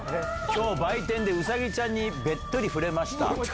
きょう売店でうさぎちゃんにべっとり触れました。